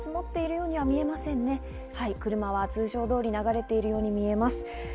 車は通常通り流れているように見えます。